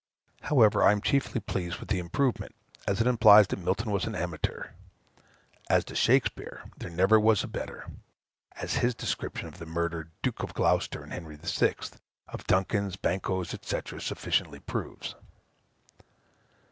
However, I am chiefly pleased with the improvement, as it implies that Milton was an amateur. As to Shakspeare, there never was a better; as his description of the murdered Duke of Gloucester, in Henry VI., of Duncan's, Banquo's, &c., sufficiently proves.